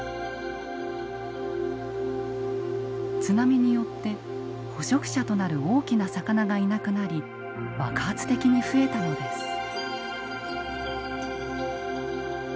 津波によって捕食者となる大きな魚がいなくなり爆発的に増えたのです。